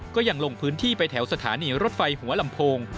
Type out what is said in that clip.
ก็ยังลงพื้นที่ไปแถวสถานีรถไฟหัวลำโพง